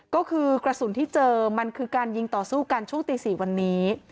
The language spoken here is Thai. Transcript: ก็คือกระสุนที่เจอมันคือการยิงต่อสู้กันช่วงตี๔วันนี้